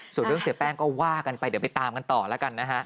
ส่วนเรื่องเสียแป้งก็ว่ากันไปเดี๋ยวไปตามกันต่อแล้วกันนะฮะ